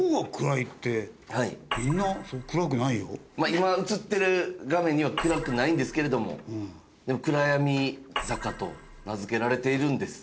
今映ってる画面には暗くないんですけれどもでも暗闇坂と名付けられているんです。